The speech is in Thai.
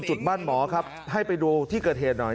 จุดบ้านหมอครับให้ไปดูที่เกิดเหตุหน่อย